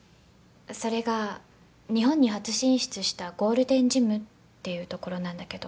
それが日本に初進出したゴールデンジムっていうところなんだけど。